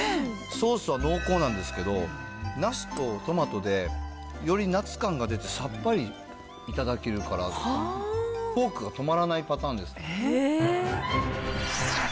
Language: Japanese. ソースは濃厚なんですけどなすとトマトでより夏感が出てさっぱりいただけるからフォークが止まらないパターンです。